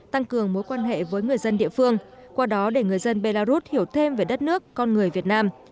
tăng cường mối quan hệ với người dân địa phương qua đó để người dân belarus hiểu thêm về đất nước con người việt nam